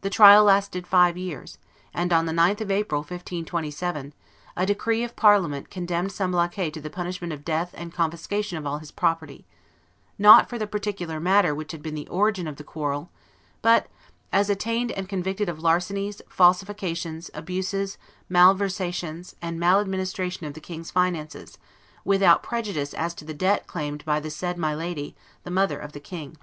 The trial lasted five years, and, on the 9th of April, 1527, a decree of Parliament condemned Semblancay to the punishment of death and confiscation of all his property; not for the particular matter which had been the origin of the quarrel, but "as attained and convicted of larcenies, falsifications, abuses, malversations, and maladministration of the king's finances, without prejudice as to the debt claimed by the said my lady, the mother of the king."